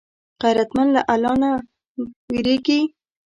غیرتمند له الله نه وېرېږي